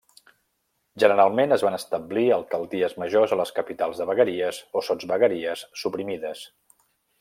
Generalment es van establir alcaldies majors a les capitals de vegueries o sotsvegueries suprimides.